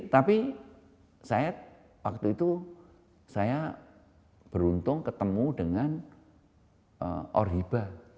tapi saya waktu itu saya beruntung ketemu dengan orhiba